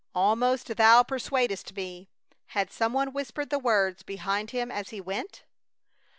"Almost thou persuadest me!" Had some one whispered the words behind him as he went?